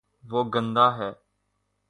وہ گندا ہے